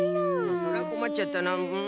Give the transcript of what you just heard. それはこまっちゃったなうん。